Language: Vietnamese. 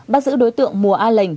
bắt giữ đối tượng mùa a lệnh